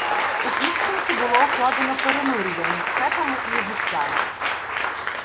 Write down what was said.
У підсумку було укладено перемир'я між хетами і єгиптянами.